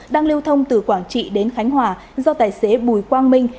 đang lưu thông từ quảng trị đến khánh hòa do tài xế bùi quang minh